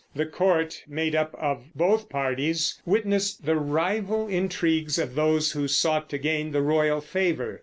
The court, made up of both parties, witnessed the rival intrigues of those who sought to gain the royal favor.